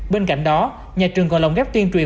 bên cạnh đó nhà trường còn lồng ghép tuyên truyền